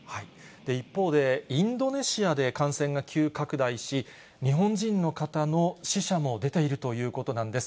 一方で、インドネシアで感染が急拡大し、日本人の方の死者も出ているということなんです。